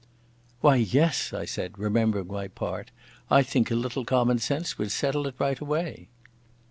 "Why, yes," I said, remembering my part. "I think a little common sense would settle it right away."